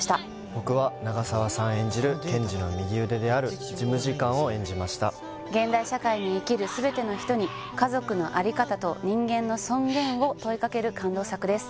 僕は長澤さん演じる検事の右腕である事務次官を演じました現代社会に生きる全ての人に家族のあり方と人間の尊厳を問いかける感動作です